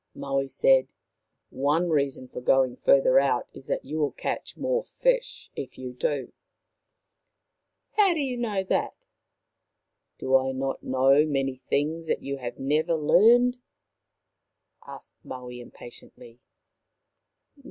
Maui said :" One reason for going further out is that you will catch more fish if you do." " How do you know that ?" "Do I not know many things that you have never learned ?" asked Maui impatiently.